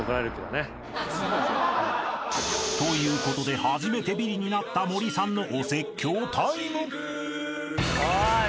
［ということで初めてビリになった森さんの］おい！